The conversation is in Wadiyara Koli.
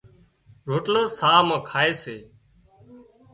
روٽلو ساهَه مان کائي سي